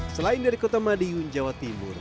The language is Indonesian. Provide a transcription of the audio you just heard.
selain dari kota madiung jawa timur